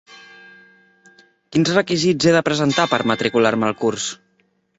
Quins requisits he de presentar per matricular-me al curs?